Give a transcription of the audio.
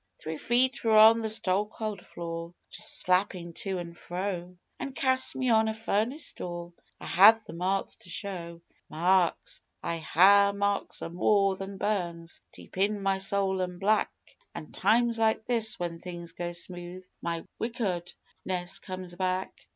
Three feet were on the stokehold floor just slappin' to an' fro An' cast me on a furnace door. I have the marks to show. Marks! I ha' marks o' more than burns deep in my soul an' black, An' times like this, when things go smooth, my wickudness comes back.